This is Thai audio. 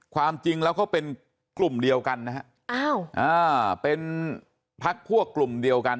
ความจริงแล้วเขาเป็นกลุ่มเดียวกันนะฮะเป็นพักพวกกลุ่มเดียวกัน